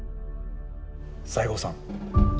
西郷さん